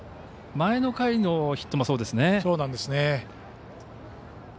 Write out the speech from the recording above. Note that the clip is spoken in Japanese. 前の回のヒットもそうですね。